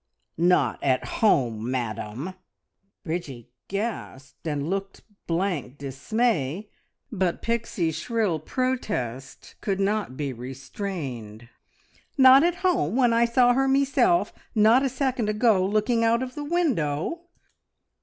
"Not at home, madam!" Bridgie gasped, and looked blank dismay, but Pixie's shrill protest could not be restrained. "Not at home, when I saw her meself not a second ago looking out of the window?"